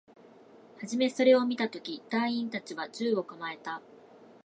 はじめそれを見たとき、隊員達は銃を構えた